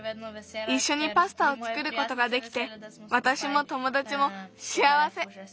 いっしょにパスタをつくることができてわたしもともだちもしあわせ。